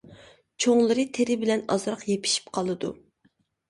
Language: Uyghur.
چوڭلىرى تېرە بىلەن ئازراق يېپىشىپ قالىدۇ.